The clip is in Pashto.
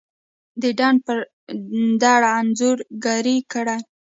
دډنډ پر دړه انځورګري کړي